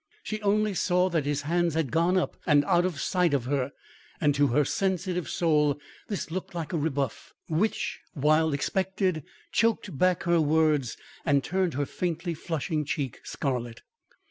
She only saw that his hands had gone up and out at sight of her, and to her sensitive soul, this looked like a rebuff which, while expected, choked back her words and turned her faintly flushing cheek scarlet.